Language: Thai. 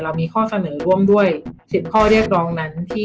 มีข้อเสนอร่วมด้วย๑๐ข้อเรียกร้องนั้นที่